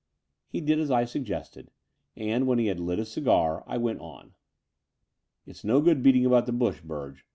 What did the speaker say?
He did as I suggested ; and, when he had lit his cigar, I went on. '*It is no good beating about the bush, Burge.